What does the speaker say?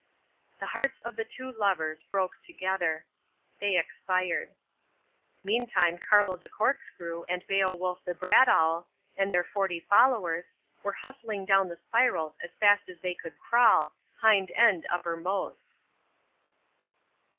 The hearts of the two lovers broke together. They expired. Meantime Carlo the Corkscrew and Beowulf the Bradawl, and their forty followers, were hustling down the spirals as fast as they could crawl, hind end uppermost.